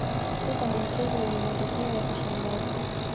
soka ni mchezo wenye matokeo ya kushangaza